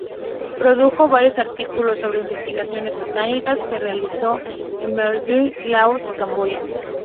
Produjo varios artículos sobre investigaciones botánicas, que realizó en Myanmar, Laos y Camboya.